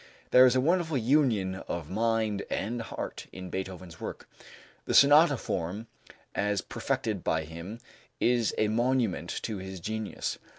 There is a wonderful union of mind and heart in Beethoven's work. The sonata form, as perfected by him, is a monument to his genius.